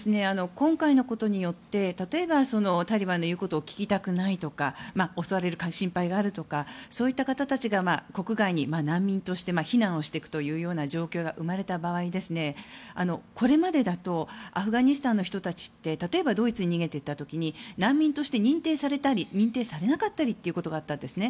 今回のことによって例えばタリバンの言うことを聞きたくないとか襲われる心配があるとかそういった方たちが国外に難民として避難していくという状況が生まれた場合、これまでだとアフガニスタンの人たちって例えばドイツに逃げて行った時に難民として認定されたり認定されなかったりということがあったんですね。